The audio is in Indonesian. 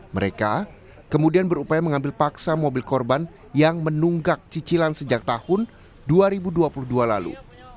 mereka kemudian berupaya mengambil paksa mobil korban yang menunggak cicilan sejak tahun dua ribu dua puluh dua lalu